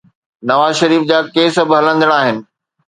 نواز شريف جا ڪيس به هلندڙ آهن.